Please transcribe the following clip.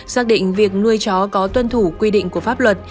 xác định việc nuôi chó có tuân thủ quy định của pháp luật